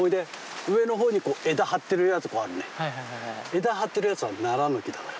枝張ってるやつはナラの木だから。